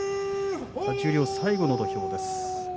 十両最後の土俵です。